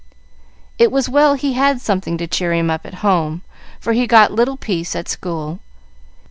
It was well he had something to cheer him up at home, for he got little peace at school.